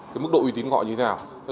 cái mức độ uy tín của họ như thế nào